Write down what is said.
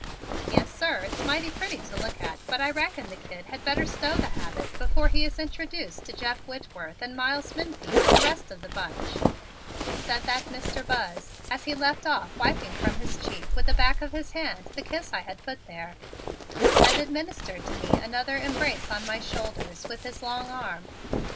"Yes, sir, it's mighty pretty to look at but I reckon the kid had better stow the habit before he is introduced to Jeff Whitworth and Miles Menefee and the rest of the bunch," said that Mr. Buzz as he left off wiping from his cheek with the back of his hand the kiss I had put there, and administered to me another embrace on my shoulders with his long arm.